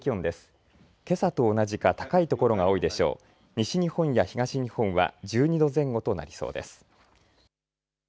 西日本や東日本は１２度前後となりそうです。